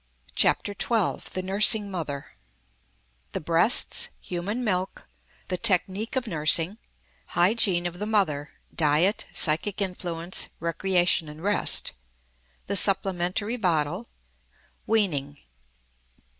CHAPTER XII THE NURSING MOTHER The Breasts Human Milk The Technique of Nursing Hygiene of the Mother: Diet; Psychic Influence; Recreation and Rest The Supplementary Bottle Weaning.